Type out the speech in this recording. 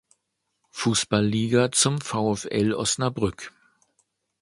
Fußball-Liga zum VfL Osnabrück.